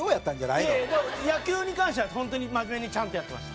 いやいや野球に関してはホントに真面目にちゃんとやってました。